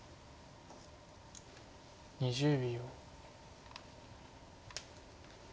２０秒。